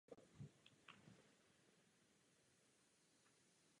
Nepatří do světa pornografie.